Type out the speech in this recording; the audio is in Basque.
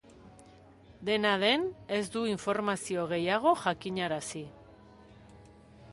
Dena den, ez du informazio gehiago jakinarazi.